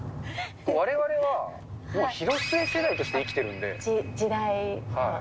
われわれは、もう広末世代として生きてるんで。